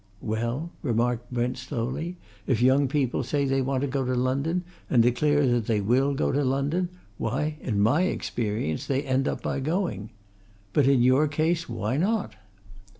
"Well," remarked Brent slowly, "if young people say they want to go to London, and declare that they will go to London, why, in my experience they end up by going. But, in your case, why not?"